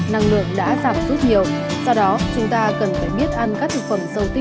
năng lượng đã giảm rất nhiều